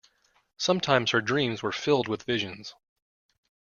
Sometimes her dreams were filled with visions.